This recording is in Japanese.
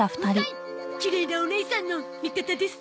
きれいなおねいさんの味方です。